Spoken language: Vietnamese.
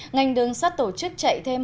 ngành đường sắt tổ chức chạy thêm